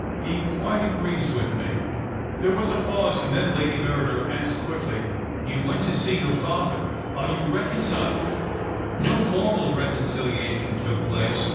He quite agrees with me." There was a pause, and then Lady Verrider asked quickly — "You went to see your father — are you reconciled ?"" No formal reconciliation took place.